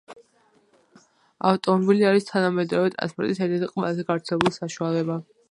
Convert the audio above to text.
ავტომობილი არის თანამედროვე ტრანსპორტის ერთ-ერთი ყველაზე გავრცელებული საშუალება.